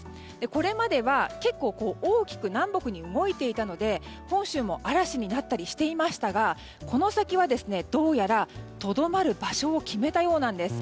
これまでは結構大きく南北に動いていたので本州も嵐になったりしていましたがこの先はどうやらとどまる場所を決めたようです。